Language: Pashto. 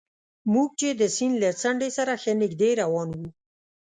موږ چې د سیند له څنډې سره ښه نژدې روان وو.